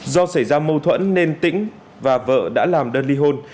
do xảy ra mâu thuẫn nên tĩnh và vợ đã làm đơn ly hôn